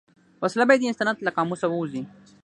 وسله باید د انسانیت له قاموسه ووځي